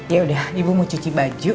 yaudah ibu mau cuci baju